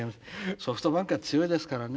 ソフトバンクは強いですからね。